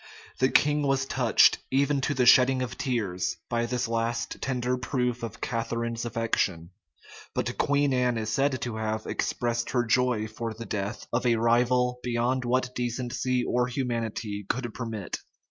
[*] The king was touched, even to the shedding of tears, by this last tender proof of Catharine's affection; but Queen Anne is said to have expressed her joy for the death of a rival beyond what decency or humanity could permit.